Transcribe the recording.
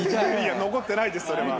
残ってないですそれは。